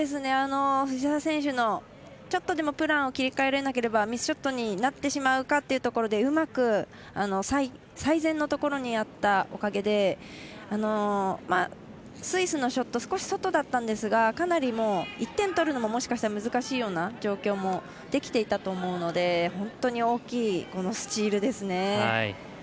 藤澤選手のちょっとでもプランを切り替えられなければミスショットになってしまうかっていうところでうまく最前のところにあったおかげでスイスのショット少し外だったんですがかなり１点取るのももしかしたら難しいような状況もできていたと思うので本当に大きいスチールですね。